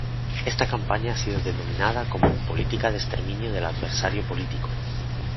Esta campaña ha sido denominada como "política de exterminio del adversario político".